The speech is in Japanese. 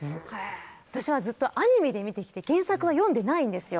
私はずっとアニメで見てきて原作は読んでないんですよ。